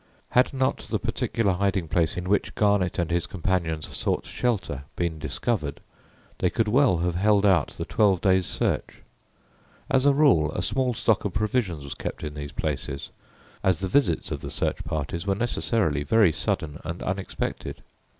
Had not the particular hiding place in which Garnet and his companions sought shelter been discovered, they could well have held out the twelve days' search. As a rule, a small stock of provisions was kept in these places, as the visits of the search parties were necessarily very sudden and unexpected.